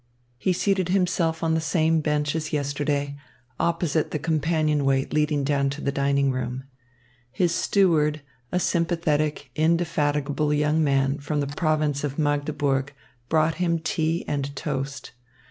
He seated himself on the same bench as yesterday, opposite the companionway leading down to the dining room. His steward, a sympathetic, indefatigable young man from the province of Magdeburg, brought him tea and toast.